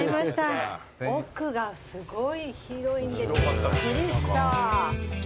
奥がすごい広いんでびっくりした。